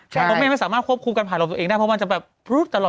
เพราะแม่ไม่สามารถควบคุมภายลองตัวเองได้ก็จะเป็นแปลว์แต่งตลอด